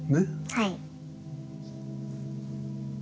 はい。